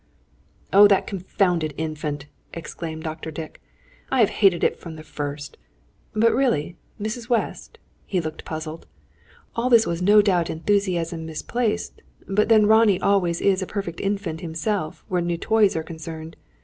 "Oh, that confounded Infant!" exclaimed Dr. Dick. "I have hated it from the first! But really, Mrs. West " he looked puzzled "all this was no doubt enthusiasm misplaced. But then Ronnie always is a perfect infant himself, where new toys are concerned.